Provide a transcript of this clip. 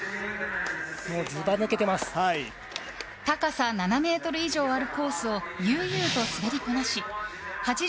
高さ７ｍ以上あるコースを悠々と滑りこなし